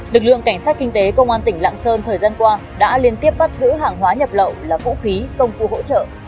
lực lượng cảnh sát kinh tế công an tỉnh lạng sơn thời gian qua đã liên tiếp bắt giữ hàng hóa nhập lậu là vũ khí công cụ hỗ trợ